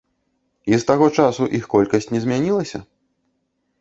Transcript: І з таго часу іх колькасць не змянілася?